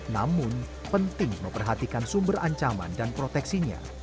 namun penting memperhatikan sumber ancaman dan proteksinya